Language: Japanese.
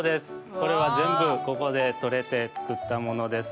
これはぜんぶここでとれてつくったものです。